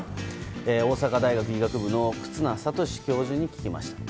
大阪大学医学部の忽那賢志教授に聞きました。